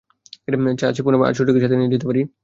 চাচি, পুনম আর ছোটিকে সাথে নিয়ে যেতে পারি?